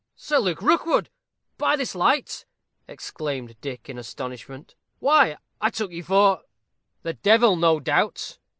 "Sir Luke Rookwood, by this light!" exclaimed Dick, in astonishment. "Why, I took you for " "The devil, no doubt?"